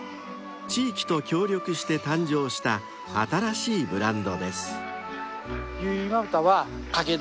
［地域と協力して誕生した新しいブランドです］